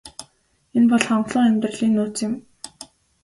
Энэ бол хангалуун амьдралын нууц юм.